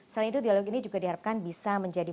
selain itu dialog ini juga diharapkan bisa menjadi